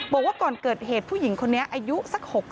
บอกว่าก่อนเกิดเหตุผู้หญิงคนนี้อายุสัก๖๐